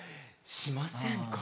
しませんか？